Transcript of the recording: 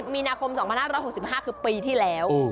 มีนาคม๒๕๖๕คือปีที่แล้ว